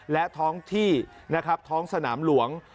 และท้องที่ท้องสนามหลวง